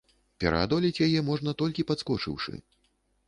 Пераадолець яе можна толькі падскочыўшы.